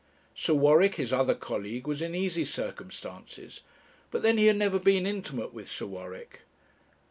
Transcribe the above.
Sir Warwick, his other colleague, was in easy circumstances; but then he had never been intimate with Sir Warwick.